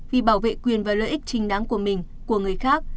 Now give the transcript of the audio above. vì bảo vệ quyền và lợi ích chính đáng của mình của người khác